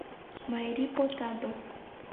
Mairipotaba